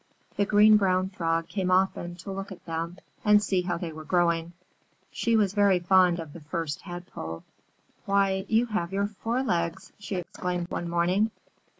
The Green Brown Frog came often to look at them and see how they were growing. She was very fond of the First Tadpole. "Why, you have your forelegs!" she exclaimed one morning.